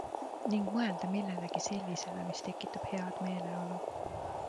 Ning mõelda millelegi sellisele, mis tekitab head meeleolu.